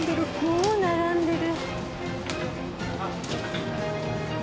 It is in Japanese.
もう並んでる。